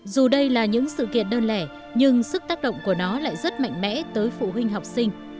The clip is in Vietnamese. dù đây là những sự kiện đơn lẻ nhưng sức tác động của nó lại rất mạnh mẽ tới phụ huynh học sinh